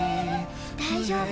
大丈夫。